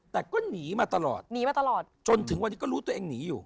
แต่ก็หนีมาตลอดจนถึงวันนี้ก็รู้ตัวเองหนีอยู่